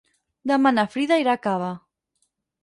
Demà na Frida irà a Cava.